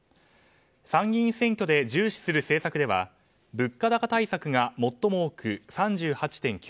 参議院選挙で重視する政策では物価高対策が最も多く３８．９％。